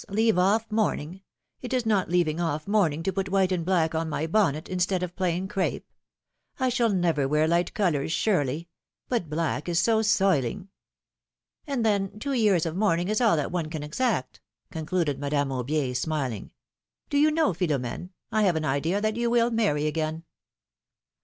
leave off mourning! It is not leaving off mourning to put white and black on my bonnet, instead of plain crape ! I shall never wear light colors, surely I But black is so soiling !" '^And then, two years of mourning is all that one can exact," concluded Madame Aubier, smiling. ^^Do you know, Philom^ne, I have an idea that you will marry again